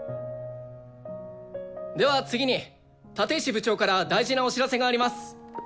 では次に立石部長から大事なお知らせがあります。